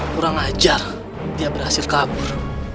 kurang ajar dia berhasil kabur